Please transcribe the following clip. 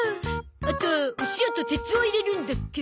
あとお塩と鉄を入れるんだっけ？